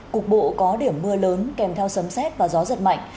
cục bộ có điểm mưa lớn kèm theo sấm xét và gió giật mạnh